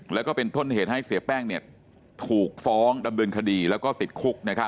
แล้วก็เป็นต้นเหตุให้เสียแป้งถูกฟ้องดำเนินคดีแล้วก็ติดคุก